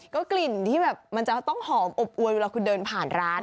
ก็กลิ่นที่แบบมันจะต้องหอมอบอวยเวลาคุณเดินผ่านร้าน